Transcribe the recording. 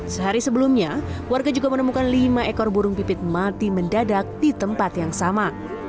sehari sebelumnya warga juga menemukan lima ekor burung pipit mati mendadak di tempat yang sama